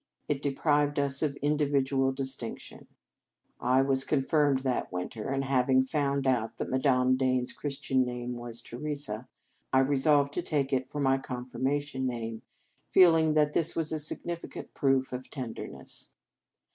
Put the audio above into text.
It deprived us of individual distinction. I was con firmed that winter, and, having found out that Madame Dane s Christian name was Theresa, I resolved to take it for my confirmation name, feeling that this was a significant proof of tenderness.